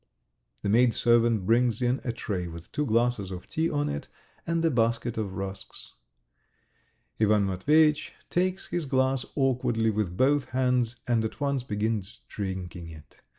The maidservant brings in a tray with two glasses of tea on it, and a basket of rusks. ... Ivan Matveyitch takes his glass awkwardly with both hands, and at once begins drinking it.